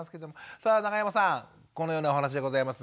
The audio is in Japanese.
さあ永山さんこのようなお話でございます。